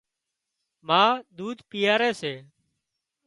ما ۮوڌ پيئاري سي